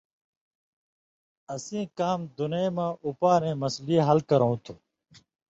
اسیں کام دُنَیں مہ اُپارَیں مسلی حل کرؤں تُھو۔